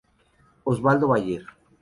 Osvaldo Bayer.